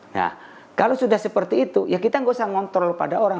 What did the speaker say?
nah kalau sudah seperti itu ya kita nggak usah ngontrol pada orang